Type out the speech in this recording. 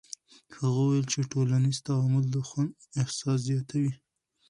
هغه وویل چې ټولنیز تعامل د خوند احساس زیاتوي.